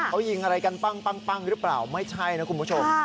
เขายิงอะไรกันปั้งหรือเปล่าไม่ใช่นะคุณผู้ชม